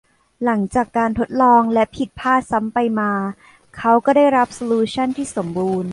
หลังจากการทดลองและผิดพลาดซ้ำไปมา เขาก็ได้รับโซลูชั่นที่สมบูรณ์